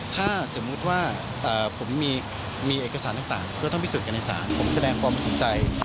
ถ้าสมมุติว่าผมมีเอกสารต่างก็ต้องพิสูจน์กันในสาร